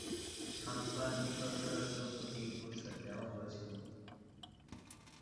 সাংবাদিকতার জন্য এই পুরস্কার দেওয়া হয়েছিল।